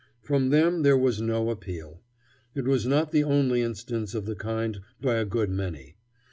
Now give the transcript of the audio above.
From them there was no appeal. It was not the only instance of the kind by a good many.